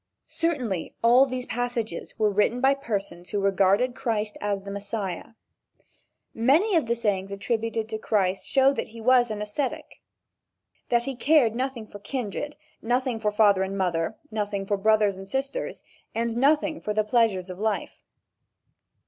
Certainly all these passages were written by persons who regarded Christ as the Messiah. Many of the sayings attributed to Christ show that he was an ascetic, that he cared nothing for kindred, nothing for father and mother, nothing for brothers or sisters, and nothing for the pleasures of life.